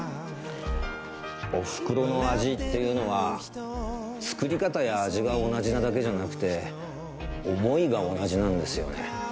おふくろの味っていうのは作り方や味が同じなだけじゃなくて思いが同じなんですよね。